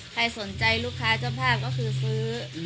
ใครสนใจลูกค้าเจ้าภาพก็คือซื้อ